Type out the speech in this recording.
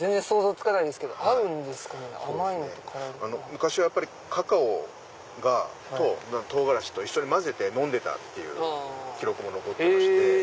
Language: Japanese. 昔はカカオと唐辛子と一緒に混ぜて飲んでたという記録も残ってまして。